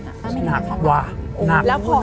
น่ากลัว